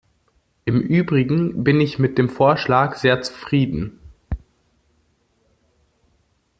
Im übrigen bin ich mit dem Vorschlag sehr zufrieden.